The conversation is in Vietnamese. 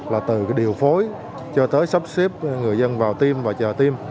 là từ điều phối cho tới sắp xếp người dân vào tiêm và chờ tiêm